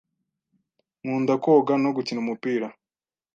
Nkunda koga no gukina umupira.